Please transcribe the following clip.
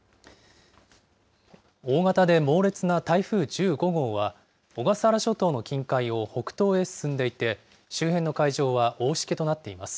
大型で猛烈な台風１５号は、小笠原諸島の近海を北東へ進んでいて、周辺の海上は大しけとなっています。